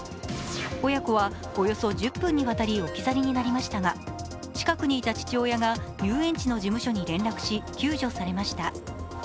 親子はおよそ１０分にわたり置き去りになりましたが、近くにいた父親が遊園地の事務所に連絡し救助されました。